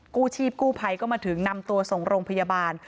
กู้ชีพกู้ภัยก็มาถึงนำตัวส่งโรงพยาบาล